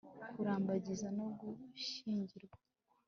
kurambagiza, no gushyingirwa